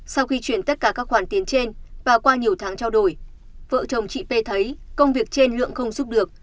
sau khi chuyển tất cả các khoản tiền trên và qua nhiều tháng trao đổi vợ chồng chị p thấy công việc trên lượng không xúc được